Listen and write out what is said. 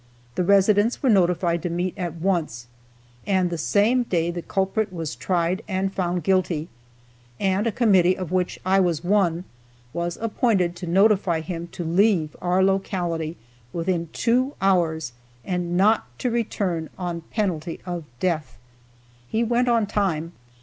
The residents were notified to meet at once, and the same day the culprit was tried and found guilty, and a committee, of which I was one, was appointed to notify him to leave our locality within two hours and not to return, on penalty of death. He went on time.